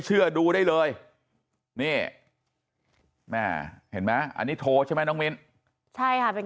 เชื่อดูได้เลยนี่แม่เห็นไหมอันนี้โทรใช่ไหมน้องมิ้นใช่ค่ะเป็น